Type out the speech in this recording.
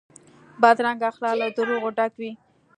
بدرنګه اخلاق له دروغو ډک وي